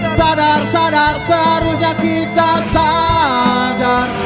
sadar sadar seharusnya kita sadar